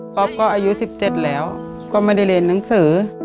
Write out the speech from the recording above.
อ๊อปก็อายุ๑๗แล้วก็ไม่ได้เรียนหนังสือ